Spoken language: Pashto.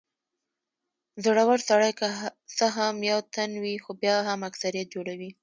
زړور سړی که څه هم یو تن وي خو بیا هم اکثريت جوړوي.